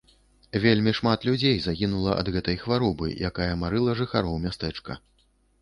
Вельмі шмат людзей загінула ад гэтай хваробы, якая марыла жыхароў мястэчка.